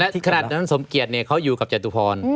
แต่แล้วขนาดนั้นสมเกียจเขาอยู่กับเจ็ดตุพร